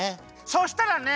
そしたらね